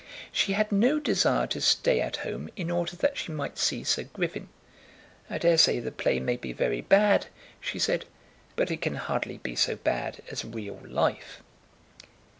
She had no desire to stay at home in order that she might see Sir Griffin. "I daresay the play may be very bad," she said, "but it can hardly be so bad as real life."